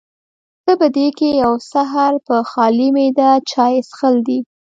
پۀ دې کښې يو سحر پۀ خالي معده چائے څښل دي